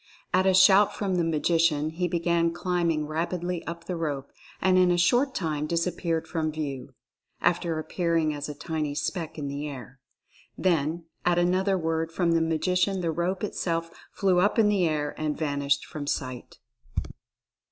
At a shout from the Magician he began climbing rapidly up the rope, and in a short time dis appeared from view, after appearing as a tiny speck in the air. Then at another word from the Magician the rope itself flew up in the air and vanished from sight.